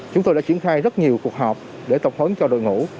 chúng tôi đã triển khai rất nhiều cuộc họp để tập huấn cho đội ngũ